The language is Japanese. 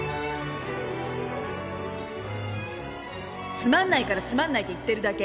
「つまんないからつまんないって言ってるだけ」